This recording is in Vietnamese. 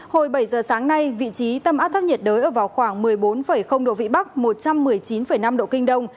hồi bảy giờ sáng nay vị trí tâm áp thấp nhiệt đới ở vào khoảng một mươi bốn độ vĩ bắc một trăm một mươi chín năm độ kinh đông